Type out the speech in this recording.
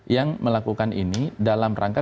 yang melakukan ini dalam rangka